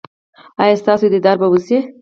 ایا ستاسو دیدار به وشي؟